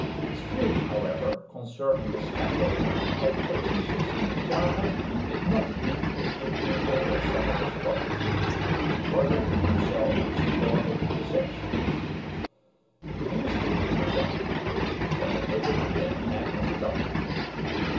His views, however, concerning the scandal of the cultivation system in Java did not meet with the approval of some of his colleagues; and Thorbecke himself supported the dissentients. The ministry resigned, and Van de Putte became head of the government.